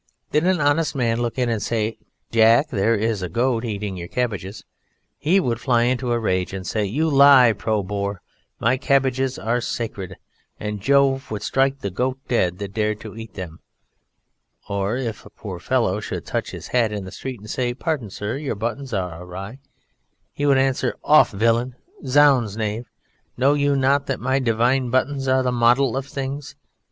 Did an honest man look in and say, "Jack, there is a goat eating your cabbages," he would fly into a rage and say, "You lie, Pro Boer, my cabbages are sacred, and Jove would strike the goat dead that dared to eat them," or if a poor fellow should touch his hat in the street and say, "Pardon, sir, your buttons are awry," he would answer, "Off, villain! Zounds, knave! Know you not that my Divine buttons are the model of things?"